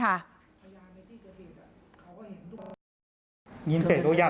พยายามไม่ที่จะปิดเขาก็เห็นทุกอย่าง